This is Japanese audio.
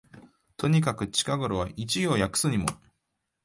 とにかく近頃は一行訳すにも、